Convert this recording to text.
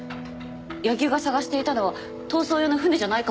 矢木が探していたのは逃走用の船じゃないかもしれない。